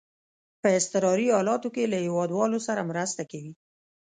په اضطراري حالاتو کې له هیوادوالو سره مرسته کوي.